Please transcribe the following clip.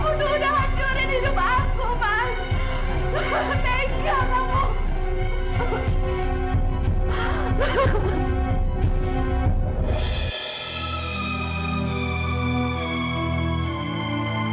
aku gak percaya sama mas prabu